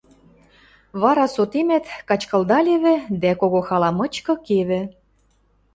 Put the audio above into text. Вара сотемӓт, качкылдалевӹ дӓ кого хала мычкы кевӹ.